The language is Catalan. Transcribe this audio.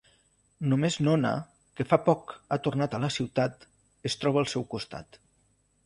Només Nona, que fa poc ha tornat a la ciutat, es troba al seu costat.